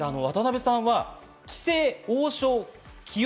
渡辺さんは棋聖、王将、棋王。